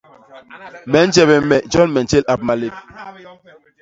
Me nje bé me, jon me ntjél ap malép.